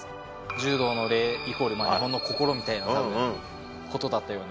柔道の礼イコール日本の心みたいな感じのことだったような。